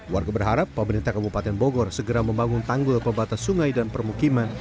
warga berharap pemerintah kabupaten bogor segera membangun tanggul pembatas sungai dan permukiman